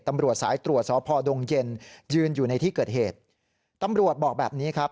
ตำรวจสายตรวจสพดงเย็นยืนอยู่ในที่เกิดเหตุตำรวจบอกแบบนี้ครับ